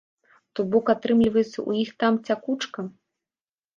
То бок атрымліваецца ў іх там цякучка.